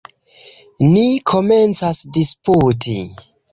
Ni komencas disputi.